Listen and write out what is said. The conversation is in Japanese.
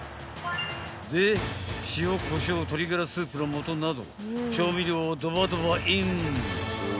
［で塩こしょう鶏がらスープのもとなど調味料をドバドバイン］